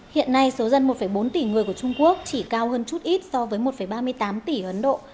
hiện nay số dân một bốn tỷ người của trung quốc chỉ cao hơn chút ít so với một ba mươi tám tỷ ấn độ